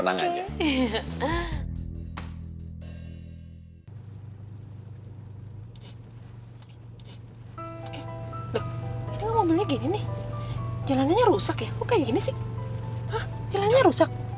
eh loh ini ngomongnya gini nih jalannya rusak ya kok kayak gini sih ah jalannya rusak